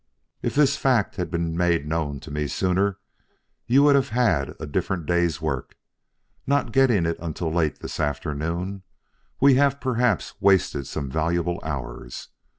"If this fact had been made known to me sooner, you would have had a different day's work; not getting it until late this afternoon, we have perhaps wasted some valuable hours.